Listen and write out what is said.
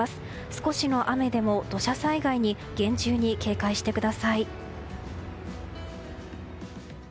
少しの雨でも土砂災害に厳重に警戒してください。